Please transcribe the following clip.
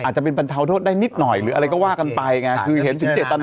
อาจจะเป็นบรรเทาโทษได้นิดหน่อยหรืออะไรก็ว่ากันไปไงคือเห็นถึงเจตนา